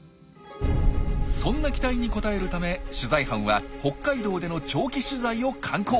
そんな期待に応えるため取材班は北海道での長期取材を敢行！